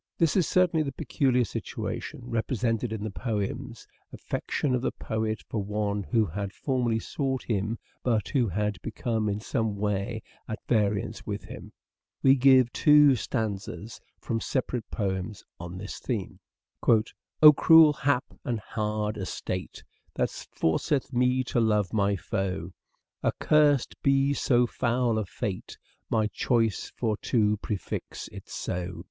This is certainly the peculiar situation repre sented in the poems : affection of the poet for one who had formerly sought him but who had become in some way at variance with him. We give two stanzas from separate poems on this theme :" O cruel hap and hard estate That forceth me to love my foe ; Accursed be so foul a fate, My choice for to prefix it so.